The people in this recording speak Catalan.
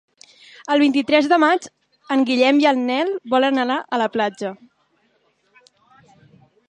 El vint-i-tres de maig en Guillem i en Nel volen anar a la platja.